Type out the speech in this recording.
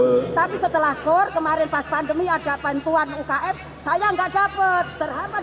tapi setelah kor kemarin pas pandemi ada bantuan ukm saya tidak dapat